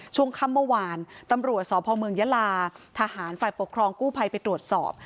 ช่วงค่ำเมื่อวานตำรวจสพเมืองยาลาทหารฝ่ายปกครองกู้ภัยไปตรวจสอบ